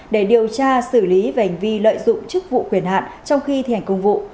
để điều tra xử lý về hành vi lợi dụng chức vụ quyền hạn trong khi thi hành công vụ